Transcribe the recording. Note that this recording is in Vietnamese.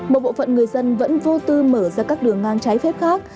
một bộ phận người dân vẫn vô tư mở ra các đường ngang trái phép khác